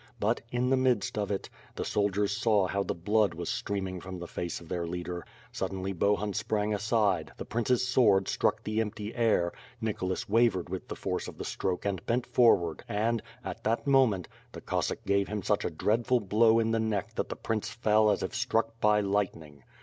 But, in the midst of it, the soldiers saw how the blood was streaming from the face of their leader. Suddenly, Bohun sprang aside; the prince's sword struck the empty air; Nicholas wavered with the force of the stroke and bent forward and, at that moment, the Cossack gave him such a dreadful blow in the neck that the prince fell as if struck by lightning.